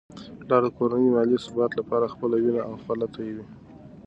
پلار د کورنی د مالي ثبات لپاره خپله وینه او خوله تویوي.